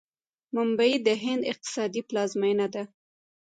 ممبۍ د هند اقتصادي پلازمینه ده.